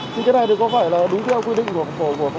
thì cái này thì có phải là đúng theo quy định của pháp luật không